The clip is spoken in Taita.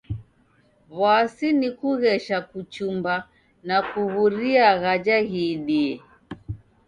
W'asi ni kughesha kuchumba na kuw'uria ghaja ghiidie.